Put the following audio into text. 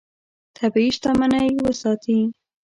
طبیعي شتمنۍ وساتې.